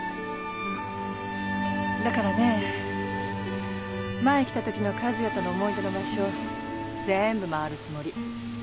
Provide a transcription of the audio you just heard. だからね前来た時の和也との思い出の場所全部まわるつもり。